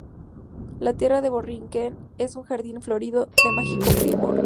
La tierra de Borinquén es un jardín florido de mágico primor.